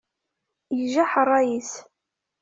Ijaḥ ṛṛay-is.